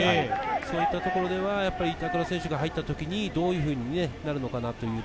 そういったところでは板倉選手が入った時にどういうふうになるのか。